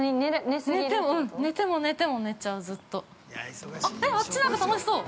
◆寝ても、寝ても、寝ちゃう、ずっと。